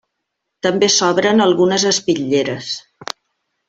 També s'obren algunes espitlleres.